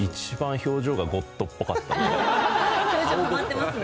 表情ハマってますね。